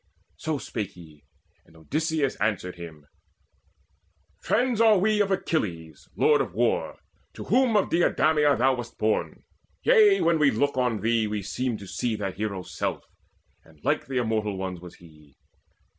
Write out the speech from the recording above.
So spake he, and Odysseus answered him: "Friends are we of Achilles lord of war, To whom of Deidameia thou wast born Yea, when we look on thee we seem to see That Hero's self; and like the Immortal Ones Was he.